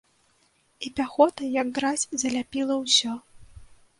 І пяхота, як гразь, заляпіла ўсё.